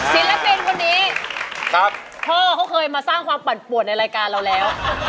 ศิลปินคนนี้พ่อเขาเคยมาสร้างความปั่นปวดในรายการเราแล้ว